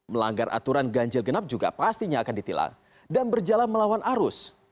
melanggar aturan ganjil genap juga pastinya akan ditilang dan berjalan melawan arus